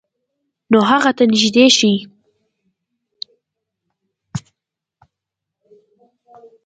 نو هغه ته نږدې شئ،